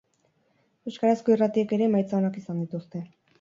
Euskarazko irratiek ere emaitza onak izan dituzte.